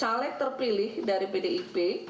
hal yang terpilih dari pdip